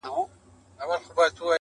• اول به کښېنوو د علم بې شماره وني,